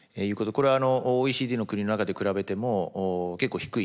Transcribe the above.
これはＯＥＣＤの国の中で比べても結構低い水準になってます。